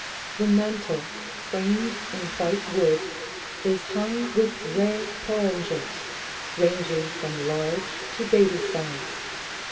The mantel, framed in white wood, is hung with rare porringers, ranging from large to baby size.